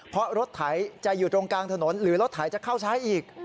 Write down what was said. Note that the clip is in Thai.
เพราะรถไถจะอยู่ตรงกลางถนนหรือรถไถจะเข้าซ้ายอีก